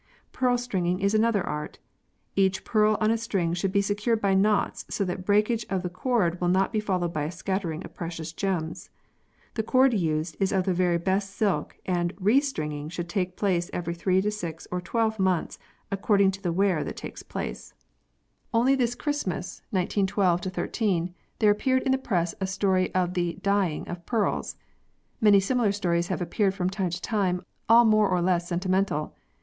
Pearl stringing is another art. Each pearl on a string should be secured by knots so that breakage of the cord will not be followed by a scattering of precious gems. The cord used is of the very best silk, and " restringing " should take place every 3 to 6 or 12 months according to the wear that takes place. 120 PEARLS [CH. Only this Christmas (1912 13) there appeared in the press a story of the "dying" of pearls. Many similar stories have appeared from time to time, all more or less sentimental.